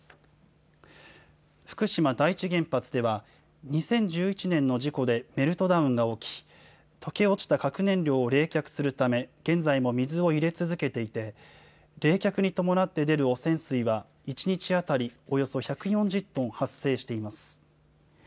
福島第一原発では、２０１１年の事故でメルトダウンが起き、溶け落ちた核燃料を冷却するため、現在も水を入れ続けていて、冷却に伴って出る汚染水は１日当たりおよそ１４０トン発生しています。